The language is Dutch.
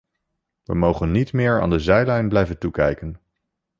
We mogen niet meer aan de zijlijn blijven toekijken.